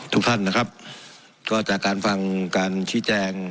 ทุกท่านนะครับก็จากการฟังการชี้แจง